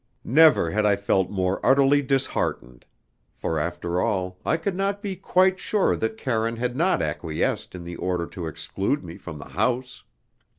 Never had I felt more utterly disheartened; for, after all, I could not be quite sure that Karine had not acquiesced in the order to exclude me from the house.